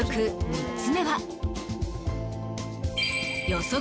３つ目は。